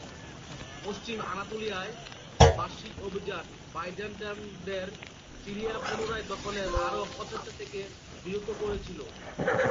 পশ্চিম আনাতোলিয়ায় বার্ষিক অভিযান বাইজেন্টাইনদের সিরিয়া পুনরায় দখলের আরও প্রচেষ্টা থেকে বিরত করেছিল।